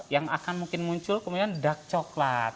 yang akan mungkin muncul kemudian dark chocolate